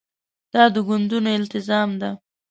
دا د ګوندونو التزام ده.